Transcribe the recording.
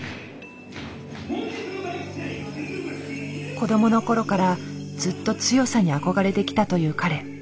子どもの頃からずっと「強さ」に憧れてきたという彼。